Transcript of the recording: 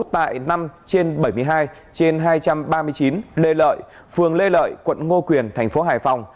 tại năm trên bảy mươi hai trên hai trăm ba mươi chín lê lợi phường lê lợi quận ngô quyền thành phố hải phòng